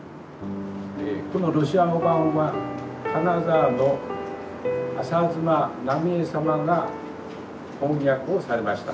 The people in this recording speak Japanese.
このロシア語版は金沢の浅妻南海江様が翻訳をされました。